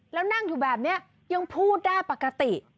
แล้วนั่งแบบนี้ยังพูดปกติ